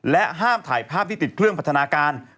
ห้ามถ่ายภาพที่ติดเครื่องพัฒนาการ